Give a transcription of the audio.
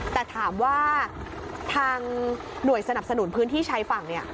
แต่ถามว่าทางหน่วยสนับสนุนพื้นที่ชายฝั่งเนี่ย